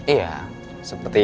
iya seperti ya